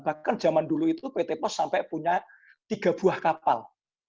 bahkan zaman dulu itu pt pos sampai punya tiga buah kapal